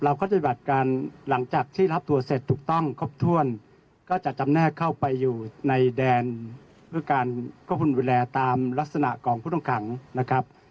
ปฏิบัติการหลังจากที่รับตัวเสร็จถูกต้องครบถ้วนก็จะจำแนกเข้าไปอยู่ในแดนเพื่อการควบคุมดูแลตามลักษณะของผู้ต้องขังนะครับ